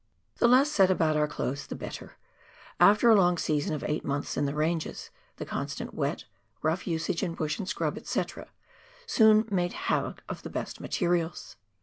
The less said about our clothes the better ; after a long season of eight months in the ranges, the constant wet, rough nsage in bush and scrub, &c., soon made havoc of the best materials.